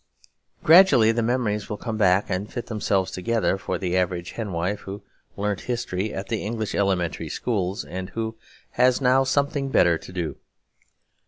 Gradually the memories will come back and fit themselves together for the average hen wife who learnt history at the English elementary schools, and who has now something better to do.